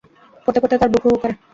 পড়তে-পড়তে তাঁর বুক হুহু করে।